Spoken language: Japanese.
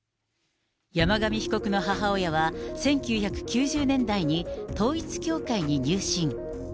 山上被告の母親は、１９９０年代に統一教会に入信。